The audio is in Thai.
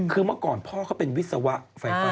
คือเมื่อก่อนพ่อเขาเป็นวิศวะไฟฟ้า